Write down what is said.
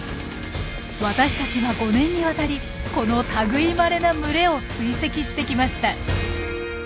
私たちは５年にわたりこの類いまれな群れを追跡してきました。